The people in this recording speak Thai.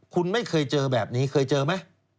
คุณไม่เคยเจอแบบนี้่ะ